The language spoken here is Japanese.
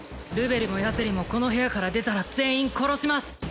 ルベルもヤゼリもこの部屋から出たら全員殺します